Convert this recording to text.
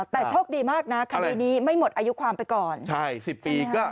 แต่โชคดีมากนะคดีนี้ไม่หมดอายุความไปก่อนใช่สิบปีก็